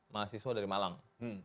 mahasiswa dari malang